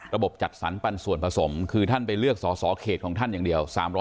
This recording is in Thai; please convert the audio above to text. จัดสรรปันส่วนผสมคือท่านไปเลือกสอสอเขตของท่านอย่างเดียว